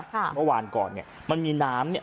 เมื่อวานก่อนเนี่ยมันมีน้ำเนี่ย